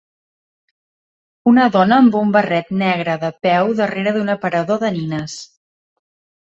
Una dona amb un barret negre de peu darrere d'un aparador de nines.